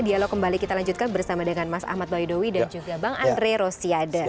dialog kembali kita lanjutkan bersama dengan mas ahmad baidowi dan juga bang andre rosiade